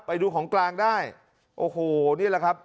ไปดูของกลางได้โอ้โหนี่แหละครับ